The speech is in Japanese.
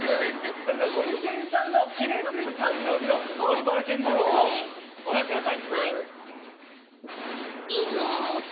それでは、ゴリけんさんの記念すべき誕生日の「ゴリパラ見聞録」をご覧ください。